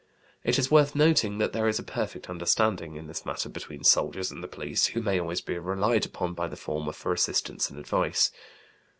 It is worth noting that there is a perfect understanding in this matter between soldiers and the police, who may always be relied upon by the former for assistance and advice.